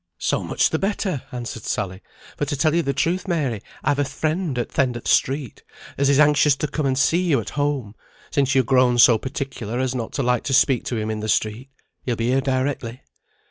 "So much the better," answered Sally, "for to tell you the truth, Mary, I've a friend at th' end of the street, as is anxious to come and see you at home, since you're grown so particular as not to like to speak to him in the street. He'll be here directly."